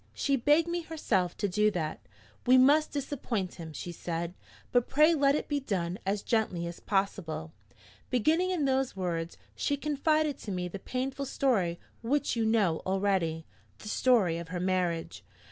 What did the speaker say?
She begged me herself to do that. 'We must disappoint him,' she said, 'but pray let it be done as gently as possible.' Beginning in those words, she confided to me the painful story which you know already the story of her marriage.